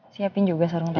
siapin juga sarung tangan